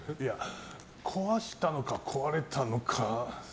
壊したのか壊れたのか。